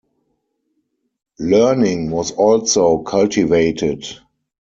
Learning was also cultivated.